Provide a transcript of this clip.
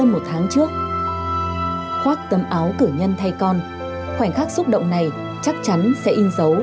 một tháng trước khoác tấm áo cử nhân thay con khoảnh khắc xúc động này chắc chắn sẽ in dấu